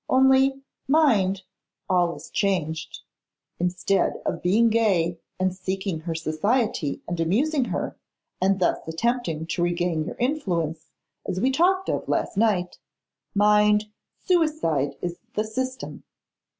Only, mind, all is changed. Instead of being gay, and seeking her society, and amusing her, and thus attempting to regain your influence, as we talked of last night; mind, suicide is the system.